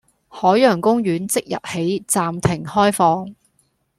海洋公園即日起暫停開放